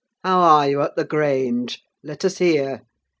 How are you at the Grange? Let us hear.